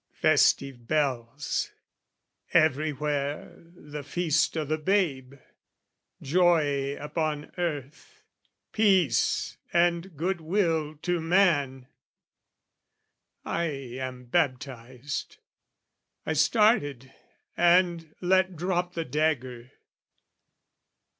Festive bells everywhere the Feast o' the Babe, Joy upon earth, peace and good will to man! I am baptised. I started and let drop The dagger.